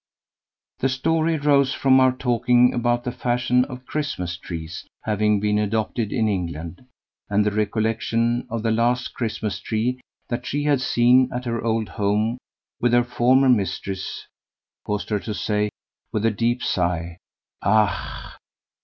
The story arose from our talking about the fashion of Christmas trees having been adopted in England, and the recollection of the last Christmas tree that she had seen at her old home with her former mistress caused her to say with a deep sigh, 'Ach!